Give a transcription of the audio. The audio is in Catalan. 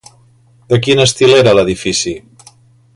De quin estil era l'edifici?